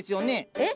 えっ！